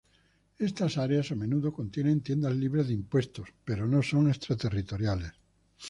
Estas áreas a menudo contienen tiendas libres de impuestos, pero no son extraterritoriales.